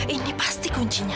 ini pasti kuncinya